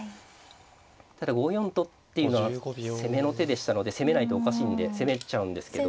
ただ５四とっていうのは攻めの手でしたので攻めないとおかしいんで攻めちゃうんですけど。